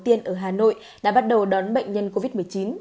trạm y tế lưu động đầu tiên ở hà nội đã bắt đầu đón bệnh nhân covid một mươi chín